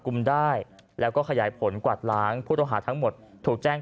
กลุ่มได้แล้วก็ขยายผลกวาดล้างผู้ต้องหาทั้งหมดถูกแจ้ง